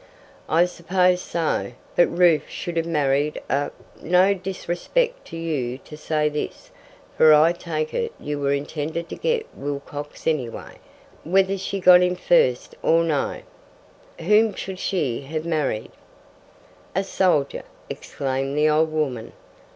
"I suppose so; but Ruth should have married a no disrespect to you to say this, for I take it you were intended to get Wilcox any way, whether she got him first or no." "Whom should she have married?" "A soldier!" exclaimed the old woman.